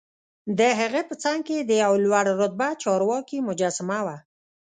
دهغه په څنګ کې د یوه لوړ رتبه چارواکي مجسمه وه.